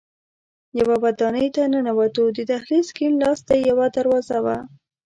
یوه ودانۍ ته ننوتو، د دهلېز کیڼ لاس ته یوه دروازه وه.